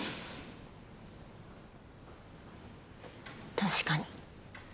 確かに。